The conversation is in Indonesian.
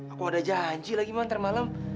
aku ada janji lagi mau ntar malam